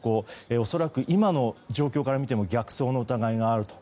恐らく今の状況から見ても逆走の疑いがあると。